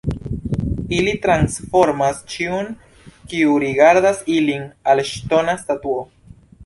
Ili transformas ĉiun, kiu rigardas ilin, al ŝtona statuo.